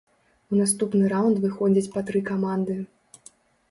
У наступны раўнд выходзяць па тры каманды.